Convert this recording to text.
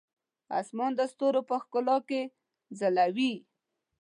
اسمان د ستورو په ښکلا کې ځلوي.